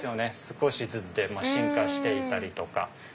少しずつでも進化していたりとか。